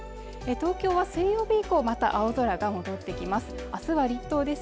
東京は水曜日以降また青空が戻ってきます